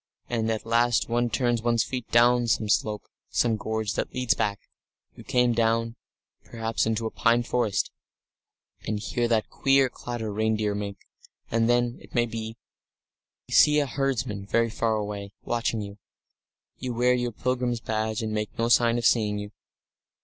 And at last one turns one's feet down some slope, some gorge that leads back. You come down, perhaps, into a pine forest, and hear that queer clatter reindeer make and then, it may be, see a herdsman very far away, watching you. You wear your pilgrim's badge, and he makes no sign of seeing you....